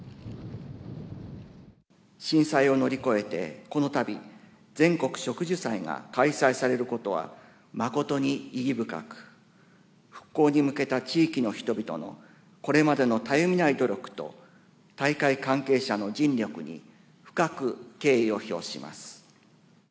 震災を乗り越えて、このたび、全国植樹祭が開催されることは誠に意義深く、復興に向けた地域の人々のこれまでのたゆみない努力と、大会関係者の尽力に深く敬意を表します。